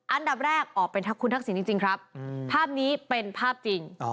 อันดับแรกออกเป็นคุณทักษิณจริงครับภาพนี้เป็นภาพจริง